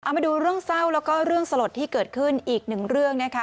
มาดูเรื่องเศร้าแล้วก็เรื่องสลดที่เกิดขึ้นอีกหนึ่งเรื่องนะคะ